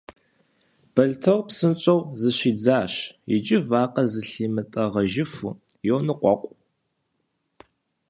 Бэлътор псынщӀэу зыщидзащ, иджы вакъэр зылъимытӀэгъэжыфу йоныкъуэкъу.